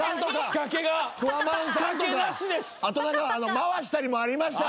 回したりもありました。